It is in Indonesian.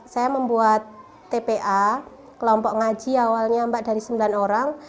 saya membuat tpa kelompok ngaji awalnya mbak dari sembilan orang